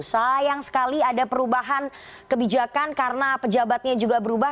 sayang sekali ada perubahan kebijakan karena pejabatnya juga berubah